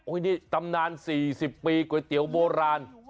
นี่ตำนาน๔๐ปีก๋วยเตี๋ยวโบราณ